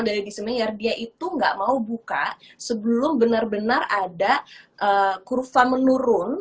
dari desmond jardiya itu nggak mau buka sebelum benar benar ada er kurva menurun